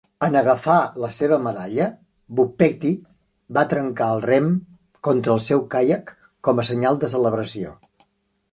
En agafar la seva medalla, Boukpeti va trencar el rem contra el seu caiac com a senyal de celebració.